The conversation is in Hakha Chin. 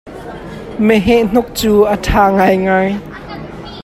Meheh hnuk cu a ṭha ngaingai.